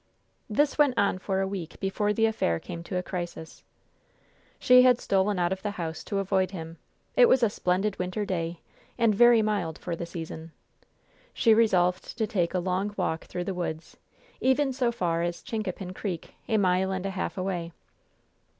This went on for a week before the affair came to a crisis. She had stolen out of the house to avoid him. It was a splendid winter day, and very mild for the season. She resolved to take a long walk through the woods, even so far as Chincapin Creek, a mile and a half away.